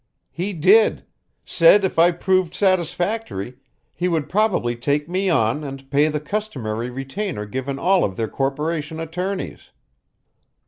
"He did. Said if I proved satisfactory, he would probably take me on and pay the customary retainer given all of their corporation attorneys."